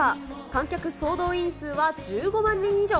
観客総動員数は１５万人以上。